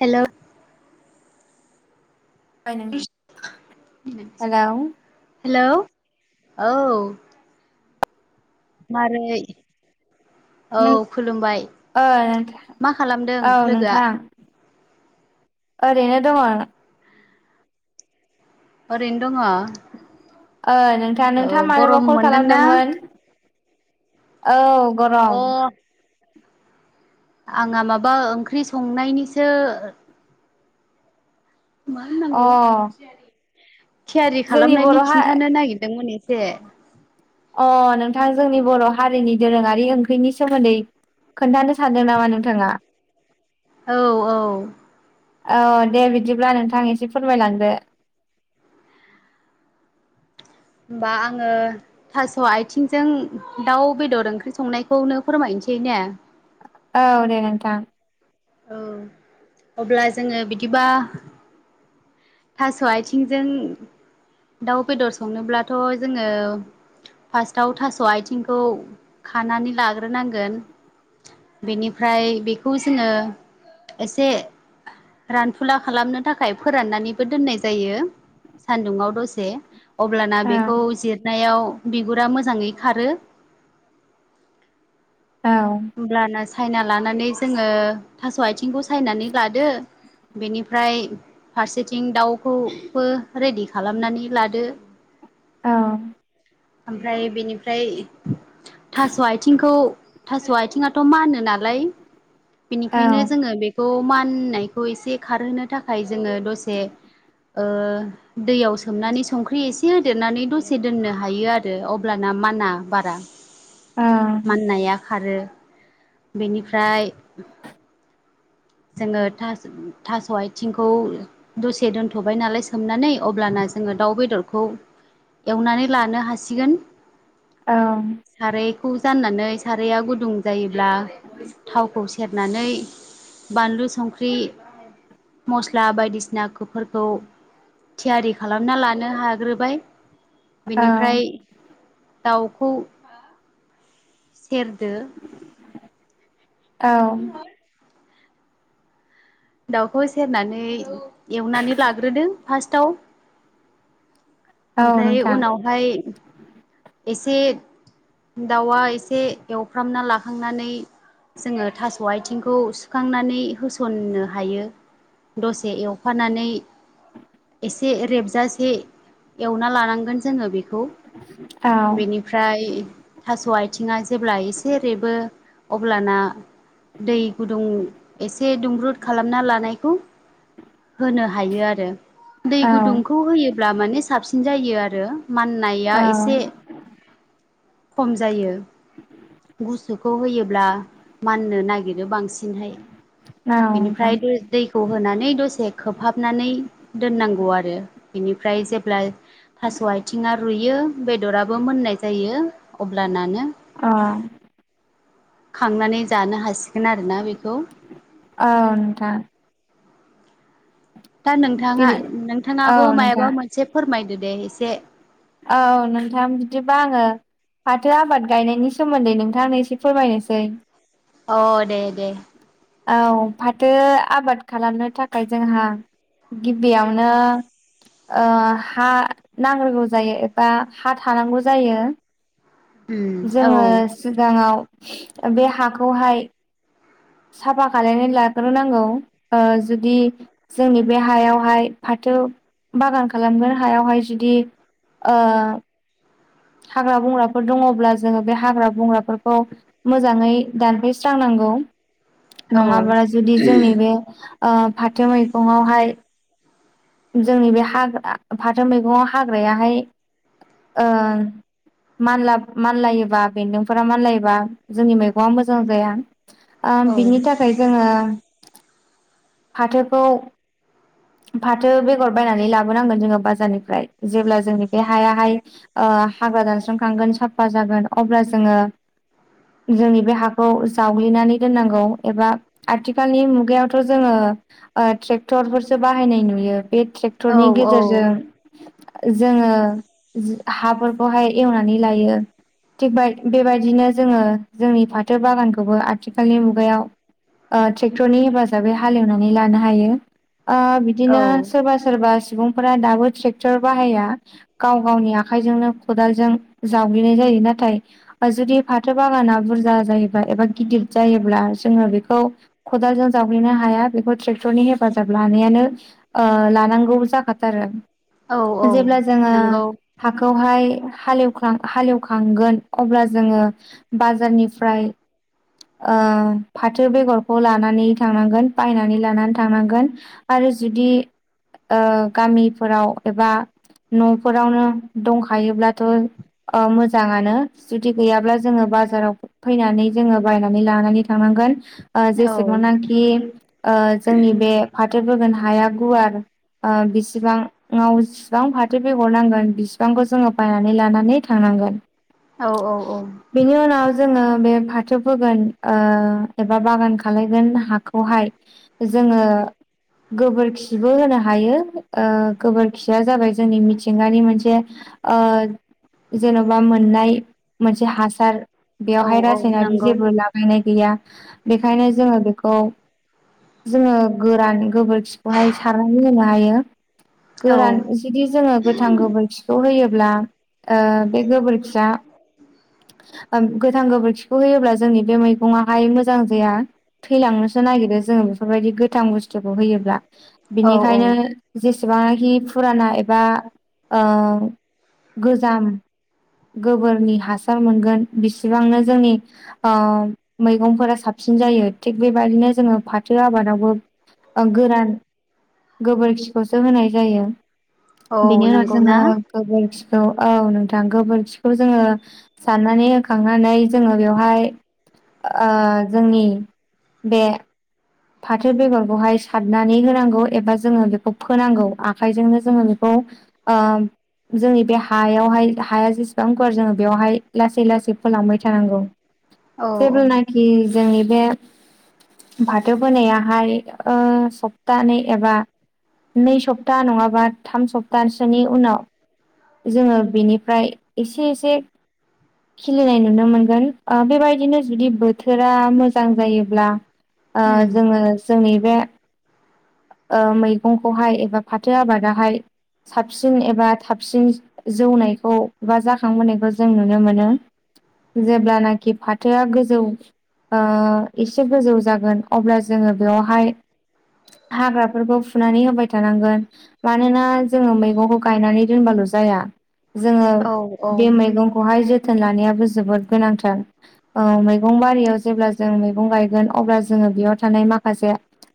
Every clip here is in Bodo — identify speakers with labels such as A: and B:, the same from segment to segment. A: हेलौ।
B: [unintelligible] हेलौ।
A: हेलौ औ। मारै। औ
B: नों
A: खुलुमबाय
B: ओ नोंथां
A: मा खालामदों
B: औ
A: लोगोआ?
B: नोंथां ओरैनो दंङ।
A: ओरैनो दङ।
B: ओ नोंथां नोंथाङा मानोबा
A: गरम
B: कल
A: मोनदोंना
B: खालामदोंमोन औ।
A: अ
B: गरम।
A: आंहा माबा ओंख्रि संनायनिसो मा
B: अ
A: होननांगौ। थियारि
B: जोंनि
A: खालामनायनि
B: बर' हा
A: खिन्थानो नागिरदोंमोन एसे।
B: अ नोंथां जोंनि बर हारिनि दोरोङारि ओंख्रिनि सोमोन्दै। खोन्थानो सानदों नामा नोंथाङा?
A: औ औ।
B: औ दे बिदिब्ला नोंथां एसे फोरमायलांदो।
A: [inaudible] होमबा आंङो थास' आथिंजों दाउ बेदर ओंख्रि संनायखौनो फोरमायनोसै। सैनोय ने।
B: औ दे नोंथां।
A: औ अब्ला जोंङो बिदिबा थास' आथिंजों दाउ बेदर संनोब्लाथ जोंङो फार्स्टाव थास आथिंखौ खानानै लाग्रोनांगोन। बेनिफ्राय बेखौ जोंङो एसे रानफुला खालामनो थाखाय फोराननानैबो दोननाय जायो। सान्दुंङाव दसे अब्लाना
B: औ
A: बेखौ जिरनायाव बिगुरा मोजांङै खारो।
B: औ
A: होमब्लाना सायना लानानै जोंङो थास आथिंखौ सायनानै लादो। बेनिफ्राय फारसेथिं दाउखौबो रेडि खालामनानै लादो।
B: औ।
A: ओमफ्राय बेनिफ्राय थास' आथिंखौ थास' आथिङाथ' मानो नालाय बेनिखायनो जोङो बेखौ माननायखौ एसे खारहोनो थाखाय जोङो दसे दैयाव सोमनानै संख्रि एसे होदेरनानै दसे दोननो हायो आरो अब्लाना माना बारा
B: ओ।
A: माननाया खारो बेनिफ्राय जोङो थास' आथिंखौ दसे दोनथ'बाय नालाय सोमनानै अब्लाना जोङो दाउ बेदरखौ एवनानै लानो हासिगोन
B: औ।
A: खौ जाननानै साराया गुदुं जायोब्ला थावखौ सेरनानै बानलु संख्रि मस्ला बायदिसिना ख फोरखौ थियारि खालामना लानो हाग्रोबाय
B: औ
A: बेनिफ्राय दाउखौ सेरदो
B: औ।
A: दाउखौ सेरनानै एवनानै लाग्रोदों फार्स्टाव
B: औ
A: ओमफ्राय
B: नोंथां
A: उनावहाय एसे दाउआ एसे एवफ्रामना लाखांनानै जोङो थास' आथिंखौ सुखांनानै होसनो हायो दसे एवफानानै से रेबजासे एवना लानांगोन जोङो बेखौ
B: औ
A: बेनिफ्राय थास' आथिङा जेब्ला एसे रेबो अब्लाना दै गुदुं एसे दुंब्रुद खालामना लानायखौ होनो हायो आरो। दै
B: औ
A: गुदुंखौ होयोब्ला माने साबसिन जायो आरो। माननाया
B: औ
A: एसे खम जायो‌। गुसुखौ होयोब्ला माननो नागिरो बांसिनहाय।
B: औ नोंथां
A: बेनिफ्राय दैखौ होनानै दसे खोबहाबनानै दोननांगौ आरो। बेनिफ्राय जेब्ला थास' आथिङा रुइयो बेदराबो मोननाय जायो अब्लानानो
B: अ
A: खांनानै जानो हासिगोन आरोना बेखौ
B: औ नोंथां।
A: दा नोंथाङा
B: बिदि औ
A: नोंथाङाबो
B: नोंथां
A: मायाबा मोनसे फोरमायदो दे एसे।
B: औ नोंथां बिदिबा आङो। फाथो आबाद गायनायनि सोमोन्दै नोंथांनो एसे फोरमायनोसै।
A: अ दे दे।
B: औ फाथो आबाद खालामनो थाखाय जोंहा गिबियावनो ओ हा नांग्रोगौ जायो एबा हा थानांगौ जायो।
A: उम औ
B: जोङो सिगाङाव बे हाखौहाय साफा खालायनानै लाग्रो नांगौ ओ जुदि जोंनि बे हायावहाय फा थो बागान खालामगोन हायावहाय जुदि ओ हाग्रा बंग्राफोर दङब्ला जोङो बे हाग्रा बंग्राफोरखौ मोजाङै दानफैस्रांनां गौ
A: औ
B: नङाब्ला जुदि जोंनि बे ओ फाथो मैगङावहाय जोंनि बे हाग्रा फाथो मैगंङाव हाग्रायाहाय ओ मानला मानलायोबा बेन्दोंफोरा मानलायोबा जोंनि मैगङा मोजां जाया। ओ
A: औ
B: बिनि थाखाय जोङो फाथोखौ फाथो बेगर बायनानै लाबोनांगोन जोङो बाजारनिफ्राय जेब्ला जोंनि बे हायाहाय ओ। बा हाग्रा दानसांखोन साफा जागोन अब्ला जोङो। जोंनि बे हाखौ जावग्लिनानै दोननांगौ एबा आथिखालनि मुगायावथ' जोङो। ओ ट्रेक्टरफोरसो बाहायनाय नुयो बे
A: औ
B: ट्रेक्टरनि गेजेरजों जोङो हाफोरखौहाय एवनानै लायो। थिग बाय बेबायदिनो जोङो जोंनि फाथो बागानखौबो आथिखालनि मुगायाव ओ ट्रेक्टरनि हेफाजाबै हालेवनानै लानो हायो। ओ
A: औ
B: बिदिनो सोरबा सोरबा सु बुंफोरा दाबो ट्रेक्टर बाहाया गाव गावनि आखाइजोंनो खदालजों जावगलिनाय जायो। बे नाथाय जुदि फाथो बागाना बुरजा जायोब्ला एबा गिदिर जायोब्ला जोङो बेखौ खदालजों जावग्लिनो हाया बेखौ ट्रेक्ट'रनि हेफाजाब लानायानो ओ लानांगौ जाखाथारो
A: औ औ
B: जेब्ला जोङो
A: नंगौ
B: हाखौहाय हालेवां हालेवखांगोन अब्ला जोङो बाजारनिफ्राय ओ फाथो बेगरखौ लानानै थांनांगोन बायनानै लानानै थांनांगोन आरो जुदि ओ गामिफोराव एबा न'फोरावनो दंखायोब्लाथ' ओ मोजाङानो जुदि गैयाब्ला जोङो बाजाराव फैनानै जोङो बायनानै लानानै थांनांगोन ओ
A: औ
B: जेसेबांनाखि ओ जोंनि बे फाथो बोगोन हाया गुवार ओ बिसेबाङाव बिसिबां फाथो बेहरनांगोन बिसिबांखौ जोङो बायनानै लानानै थांनांगोन।
A: औ औ औ
B: बेनि उनाव जोङो बे फाथो फोगोन ओ एबा बागान खालामलगोन हाखौहाय जोङो गोबोरखिबो होनो हायो ओ गोबोरखिया जाबाय जोंनि मिथिंगानि मोनसे ओ जेन'बा मोननाय मोनसे हासार
A: औ
B: बेवहाय
A: औ
B: रासायनाारि
A: नंगौ
B: जेबो लाबायनाय गैया। बेखायनो जोङो बेखौ जोङो‌ गोरान गोबोरखिखौहाय सारनानै होनो हायो।
A: औ
B: गोरान जुदि जोङो गोथां गोबोरखिखौ होयोब्ला ओ। बे गोबोरखिया ओ गोथां गोबोरखिखौ होयोब्ला जोंनि बे मैगङाहाय मोजां। मोजां जाया। थैलांनोसो नागिरो जोङो बेफोरबायदि गोथां बुस्थुखौ होयोब्ला
A: औ
B: बिनिखायनो जेसेबां। थि फुराना एबा ओ गोजाम। गोबोरनि हासार। मोनगोन बिसेबांनो जोंनि मैगंफोरा साबसिन जायो थिख बेबायदिनो। नो जोङो फाथो आबादावबो ओ गोरान। गोबोरखिखौसो होनाय जायो
A: औ
B: बेनि उनाव
A: नंगौ
B: जोङो
A: ना
B: गोबोरखि। औ औ नोंथां गोबोरखिखौ जोङो। साननानै होखांनानै जोङो बेवहाय। ओ जोंनि बे। फाथो बेगरखौहाय सारनानै होनांगौ एबा जोङो बेखौ फोनांगौ आखाइजोंनो जोङो बेखौ। खौ ओ जोंनि बे हायावहाय हाया जेसेबां गुवार जोङो बेयाव। लासै लासै फोलांबाय थानांगौ
A: औ
B: जेब्लानाखि जोंनि बे। बाथो बोनायाहाय ओ सप्तानै एबा। नै सप्ता नङाबा थाम सप्तासोनि उनाव। जोङो बेनिफ्राय एसे एसे। खिलिनाय नुनो मोनगोन ओ बेबायदिनो जुदि बोथोरा मोजां जायोब्ला ओ
A: उम
B: जोङो जोंनि बे। ओ मैगंखौहाय एबा फाथो आबादाहाय। साबसिन एबा थाबसिन जौनाय। खौ बा जाखांबोनायखौ जों नुनो मोनो जेब्लानाखि फाथ-। थोआ गोजौ ओ एसे गोजौ जागोन अब्ला जोङो बेयावहाय। हाग्राफोरखौ फुनानै होबाय थानांगोन मानोना जोङो मैगंखौ गायनानै दोनबाल' जा- -या जोङो
A: औ औ
B: बे मैगंखौहाय जोथोन लानायाबो जोबोद गोनांथार। ओ मैगं बारियाव जेब्ला जों मैगं गायगोन अब्ला जोङो बेयाव थानाय माखासे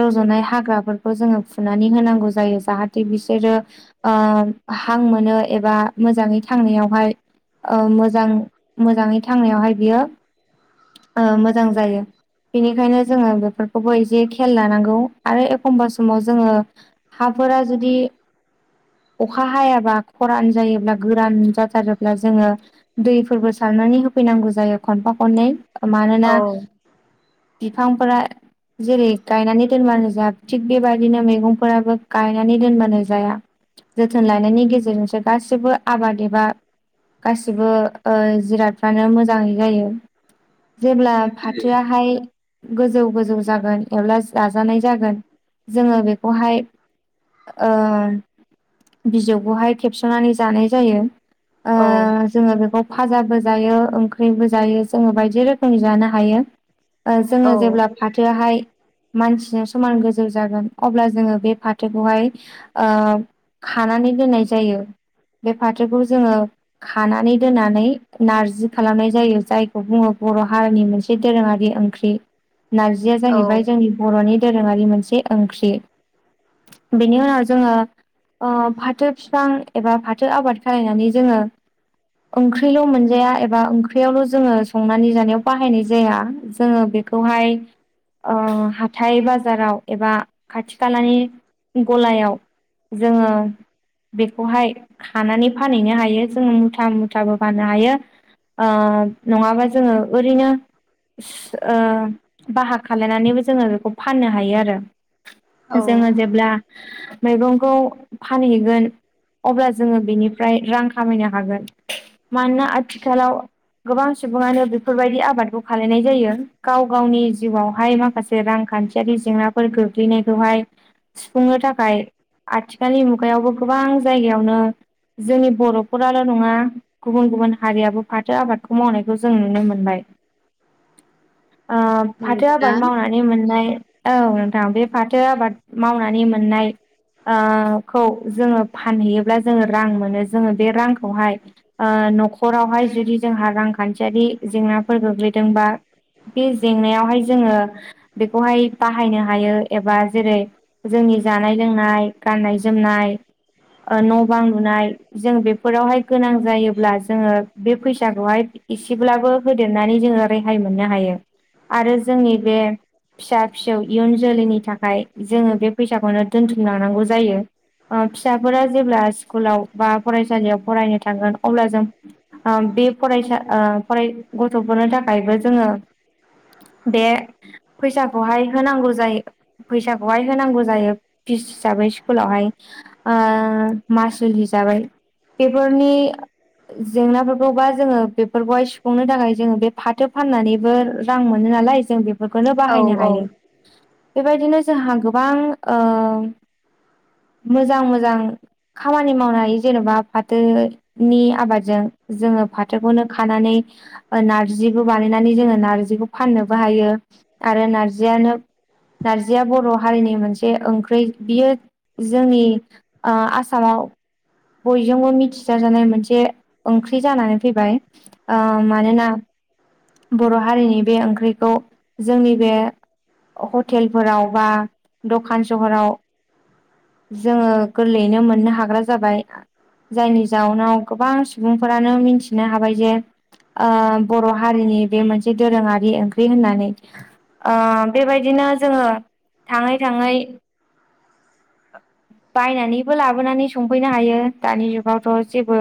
B: रज'नाय हाग्राफोरखौ जोङो फुनानै होनांगौ जायो जाहाथे बिसोरो ओ हां मोनो। एबा मोजाङै थांनायावहाय ओ मोजां मोजाङै थांनायावहाय बियो ओ मोजां जायो बेनिखायनो जोङो बेफोरखौबो एसे खेल लानांगौ। आरो एखमबा समाव जोङो हाफोरा जुदि अखा हायाबा खरान जायोब्ला गोरान जाथारोब्ला जोङो दैफोरबो सार- -नानै होफैनांगौ जायो खनफा खननै मानोना
A: औ
B: बिफांफोरा जेरै गायनानै दोनबानो जाया थिग बेबायदिनो मैगंफोराबो गायनानै दोनबानो जाया जोथोन लानायनायनि गेजेरजोंसो गासिबो आबाद एबा गासिबो ओ जिरादफ्रानो मोजाङै जायो। जेब्ला फाथोआहाय गोजौ गोजौ जागोन एब्ला जाजानाय जागोन जोङो बेखौहाय ओ बिजौखौहाय खेबस'नानै जानाय जायो
A: औ
B: ओ जोङो बेखौ फाजाबो जायो ओंख्रिबो जायो जोङो बायदि रोखोमनि जानो हायो। ओ जोङो
A: औ
B: जेब्ला फाथोआहाय मानसिनि समान गोजौ जागोन अब्ला जोङो बे फाथोखौहाय ओ खा- -नानै दोननाय जायो। बे फाथोखौ जोङो खानानै दोननानै नारजि खालामनाय जायो जायखौ बुङो बर' हारिनि मोनसे दोरोङारि ओंख्रि नारजिया
A: औ
B: जाहैबाय जोंनि बर'नि दोरोङारि मोनसे ओंख्रि बेनि उनाव जोङो ओ फाथो बिफां एबा फाथो आबाद खालायनानै जोङो ओंख्रिल' मोनजाया एबा ओंख्रियावल' जोङो संनानै जानायाव बाहायनाय जाया जोङो बे खौहाय ओ हाथा थाइ बाजाराव एबा खाथि खालानि गलायाव जोङो बेखौहाय हानानै फानैनो हायो जोङो मुथा मुथाबो फाननो हायो। ओ नङाबा जोङो ओरैनो सो ओ बाहाग खालायनानैबो जोङो बेखौ फाननो हायो आरो। जोङो जेब्ला मैगंखौ फानहैगोन अब्ला जोङो बेनिफ्राय रां खामायनो हागोन मानोना आथिखालाव गोबां सुबुङानो बेफोरबायदि आबादखौ खालामनाय जायो, गाव गावनि जिउआवहाय माखासे रांखान्थि यारि जेंनाफोर गोग्लैनायखौहाय सुफुंनो थाखाय आथिखालनि मुगायावबो गोबां जायगायावनो जोंनि बर' न'खराल' नङा गुबुन गुबुन हारियाबो फाथो आबादखौ मावनायखौ जों नुनो मोनबाय।
A: [unintelligible]
B: ओ फाथो
A: नंगौना
B: आबाद मावनानै मोननाय औ नोंथां बे फाथो आबाद मावनानै मोननाय ओ खौ जोङो फानहैयोब्ला जोङो रां मोनो जोङो बे रांखौहाय ओ न'खरावहाय जुदि जोंहा रांखान्थियारि जेंनाफोर गोग्लैदोंबा बे जेंनायावहाय जोङो बेखौहाय बाहायनो हायो एबा जेरै जोंनि जानाय लोंनाय गाननाय जोमनाय ओ न' बां लुनाय जों बेफोरावहाय गोनां जायोब्ला जोङो बे फैसाखौहाय एसेब्लाबो होदेरनानै जोङो रेहाय मोननो हायो। आरो जोंनि बे फिसा फिसौ इयुन जोलैनि थाखाय जोंङ बे फैसाखौनो दोनथुमलाना नांगौ जायो। ओ फिसाफोरा जेब्ला स्कुलाव बा फरायसालियाव फरायनो थांगोन अब्ला जों अम बे फरायसा ओ फराय गथ'फोरनो थाखायबो जोङो बे फैसा अहाय होनंगौ जायो फैसाखौहाय होनांगौ जायो फिस हिसाबै स्कुलावहाय ओ ओ मासल हिसाबै बेफोरनि जेंनाफोरखौबा जों बेफोरखौहाय सुफुंनो थाखाय जों बे फाथो फाननानैबो रां मोनो नालाय जों बेफोरखौनो
A: औ
B: बाहायनो हा
A: औ
B: बेबायदिनो जोंहा गोबां ओम मोजां मोजां खामानि मावनाय जेन'बा फाथोनि आबादजों जोङो फाथोखौनो खानानै नारजिखौ बानायनानै जों नार्जिखौ फाननोबो हायो। आरो नारजियानो नारजिया बर' हारिनि मोनसे ओंख्रि बियो जोंनि औ आसामाव औ बयजोंबो मिथिसाजानाय मोनसे ओंख्रि जानानै फैबाय। औ मानोना बर' हारिनि बे ओंख्रिखौ जोंनि बे हटेलफोराव बा दखान सहराव जों गोरलैयैनो मोननो हाग्रा जाबाय जायनि जाउनाव गोबां सुबुंफोरानो मिनथिनो हाबाय जे ओ बर' हारिनि बे मोनसे दोरोङारि ओंख्रि होननानै ओ बेबायदिनो जों थाङै थाङै बायनानैबो लाबोनानै संफैनो हायो दानि जुगावथ' जेबो